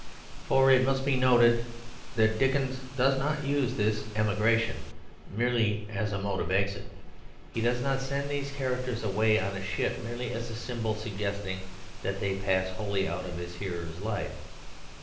For it must be noted that Dickens does not use this emigration merely as a mode of exit. He does not send these characters away on a ship merely as a symbol suggesting that they pass wholly out of his hearer's life.